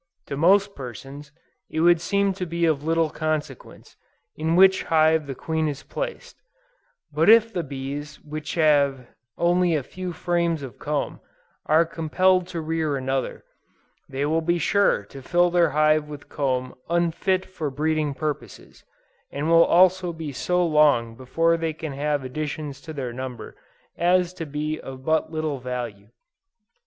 To most persons, it would seem to be of little consequence, in which hive the queen is placed: but if the bees which have only a few frames of comb, are compelled to rear another, they will be sure to fill their hive with comb unfit for breeding purposes, and will also be so long before they can have additions to their number, as to be of but little value.